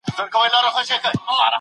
خلیفه ګرځول د خدای اراده وه.